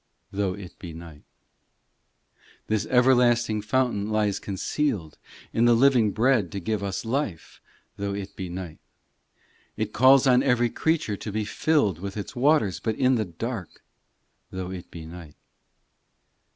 Though it be night. POEMS 275 VIII This everlasting fountain lies concealed In the living Bread to give us life, Though it be night. IX It calls on every creature to be filled With its waters, but in the dark, Though it be night.